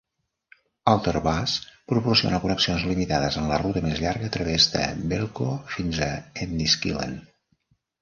Ulsterbus proporciona connexions limitades en la ruta més llarga a través de Belcoo fins a Enniskillen.